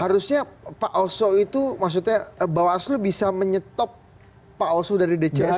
harusnya pak oso itu maksudnya bawaslu bisa menyetop pak oso dari dcs